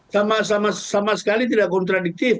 sama sama sekali tidak kontradiktif